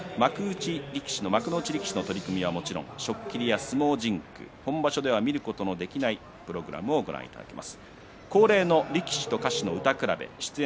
相撲力士の取組はもちろん初っ切りや相撲甚句など本場所では見ることのできないプログラムをご覧いただけます。